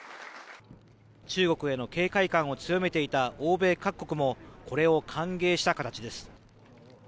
中国への警戒感を強めていた欧米各国もこれを歓迎した形です。